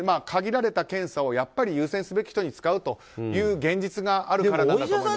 限られた検査をやっぱり優先すべき人に使うという現実があるからなんだと。